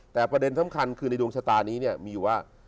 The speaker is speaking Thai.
แต่ประเด็นสำคัญคือในดวงชตานี้มีว่า